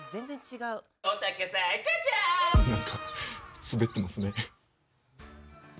なんかスベってますね。